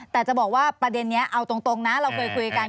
แต่จะบอกว่าประเด็นนี้เอาตรงนะเราเคยคุยกัน